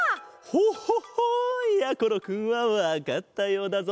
ホホホ！やころくんはわかったようだぞ。